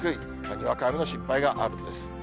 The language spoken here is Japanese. にわか雨の心配があるんです。